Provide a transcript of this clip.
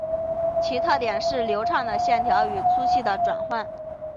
其特点是流畅的线条与粗细的转换。